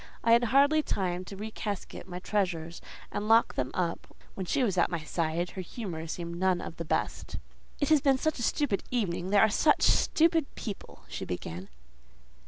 I had hardly time to recasket my treasures and lock them up when she was at my side her humour seemed none of the best. "It has been a stupid evening: they are stupid people," she began.